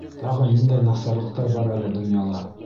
Тағы ниндәй насарлыҡтар бар әле донъяла?